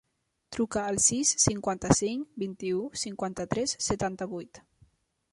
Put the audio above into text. Truca al sis, cinquanta-cinc, vint-i-u, cinquanta-tres, setanta-vuit.